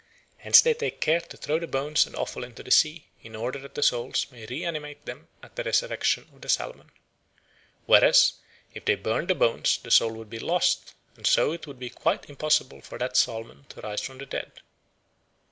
Hence they take care to throw the bones and offal into the sea, in order that the soul may reanimate them at the resurrection of the salmon. Whereas if they burned the bones the soul would be lost, and so it would be quite impossible for that salmon to rise from the dead.